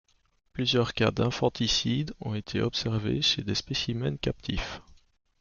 Plusieurs cas d’infanticide ont été observés chez des spécimens captifs.